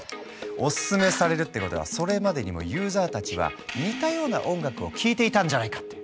おすすめされるってことはそれまでにもユーザーたちは似たような音楽を聞いていたんじゃないかって。